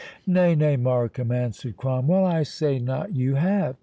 "Nay, nay, Markham," answered Cromwell; "I say not you have.